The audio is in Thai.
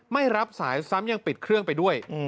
ไม่รับสายซ้ำยังปิดเครื่องไปด้วย